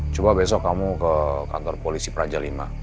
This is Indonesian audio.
coba besok kamu ke kantor polisi praja v